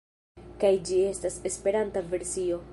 Kaj ĝi estas Esperanta versio.